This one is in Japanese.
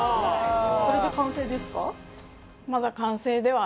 それで完成ですか？